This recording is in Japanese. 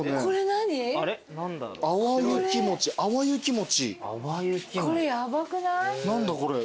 何だこれ。